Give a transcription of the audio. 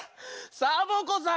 サボ子さん！